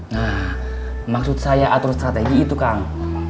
nah maksud saya atur strategi itu kang